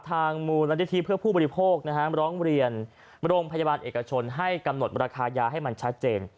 ทางมูลนิธิเพื่อผู้บริโภคร้องเรียนโรงพยาบาลเอกชนให้กำหนดราคายาให้มันชัดเจน